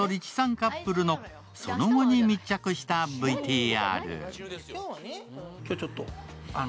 カップルのその後に密着したＶＴＲ。